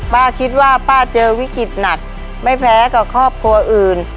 ป้าคิดว่าป้าเจอวิกฤตหนักไม่แพ้กับครอบครัวอื่น